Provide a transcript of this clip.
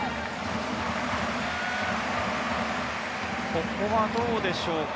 ここはどうでしょうか。